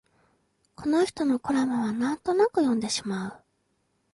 この人のコラムはなんとなく読んでしまう